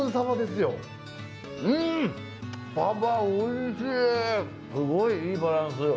すごいいいバランス。